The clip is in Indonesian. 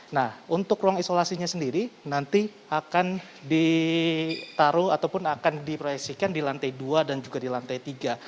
nah untuk ruang isolasinya sendiri nanti akan ditaruh ataupun akan diproyeksikan di lantai dua dan juga di lantai tiga